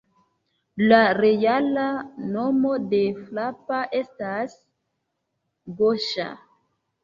La reala nomo de Floppa estas Goŝa.